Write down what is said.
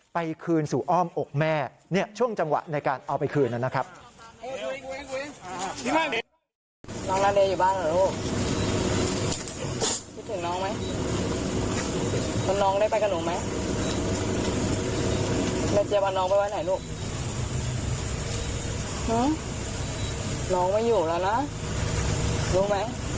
คืนสู่อ้อมอกแม่เนี่ยช่วงจังหวะในการเอาไปคืนนะครับ